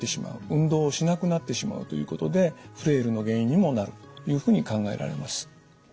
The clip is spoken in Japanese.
運動をしなくなってしまうということでフレイルの原因にもなるというふうに考えられます。